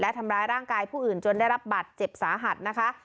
และทำร้ายร่างกายผู้อื่นจนได้รับบัตรเจ็บสาหัสนะคะ